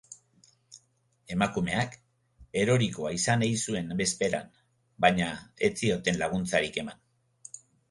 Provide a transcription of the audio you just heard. Emakumeak erorikoa izan ei zuen bezperan, baina ez zioten laguntzarik eman.